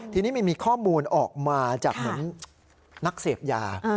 ทีนี้มันมีข้อมูลออกมาจากเหมือนนักเสพยา